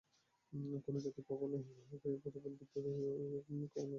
কোন জাতি যতই প্রবল হউক, এরূপ ভিত্তির উপর কখনই দাঁড়াইতে পারে না।